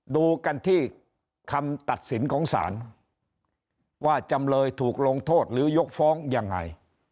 ดูกันที่คำตัดสินของศาลว่าจำเลยถูกลงโทษหรือยกฟ้องยังไง